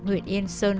huyện yên sơn